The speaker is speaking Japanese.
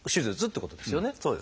そうですね。